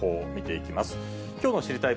きょうの知りたいッ！